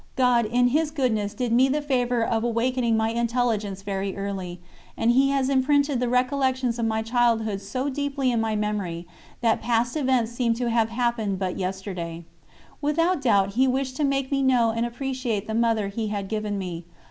God, in His goodness, did me the favour of awakening my intelligence very early, and He has imprinted the recollections of my childhood so deeply in my memory that past events seem to have happened but yesterday. Without doubt He wished to make me know and appreciate the Mother He had given me.